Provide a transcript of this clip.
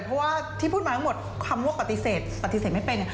เพราะว่าที่พูดมาทั้งหมดคำว่าปฏิเสธปฏิเสธไม่เป็น